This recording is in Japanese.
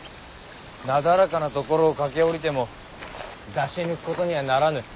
なだらかな所を駆け下りても出し抜くことにはならぬ。